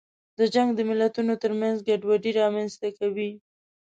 جنګ د ملتونو ترمنځ ګډوډي رامنځته کوي.